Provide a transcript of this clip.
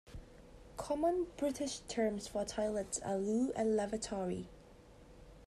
Common British terms for a toilet are loo and lavatory